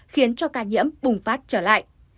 khiến cho ca nhiễm bùng phát trở lại